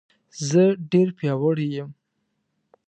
زه ډېر پیاوړی یم